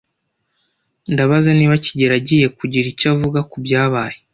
Ndabaza niba kigeli agiye kugira icyo avuga kubyabaye.